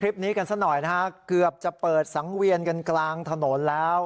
คลิปนี้กันซะหน่อยนะฮะเกือบจะเปิดสังเวียนกันกลางถนนแล้ว